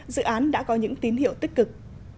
dự án đã có những tín hiệu tích cực